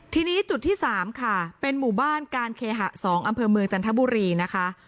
ทีนี้จุดที่๓ค่ะเป็นหมู่บ้านการเคหะ๒อำเภอเมืองจันทบุรีนะคะ